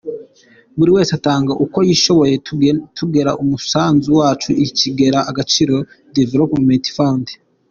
Buri wese atanga uko yishoboye, tugenera umusanzu wacu ikigega Agaciro Development Fund.